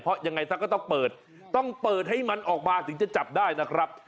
เพราะยังไงซะก็ต้องเปิดต้องเปิดให้มันออกมาถึงจะจับได้นะครับ